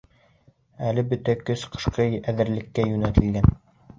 Әле бөтә көс ҡышҡа әҙерлеккә йүнәлтелгән.